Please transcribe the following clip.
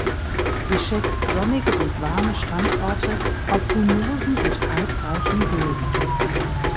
Sie schätzt sonnige und warme Standorte auf humosen und kalkreichen Böden.